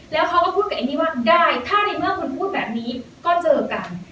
แล้วเขาก็พูดกับเอมมี่ว่าได้ถ้าในเมื่อคุณพูดแบบนี้ก็เจอกัน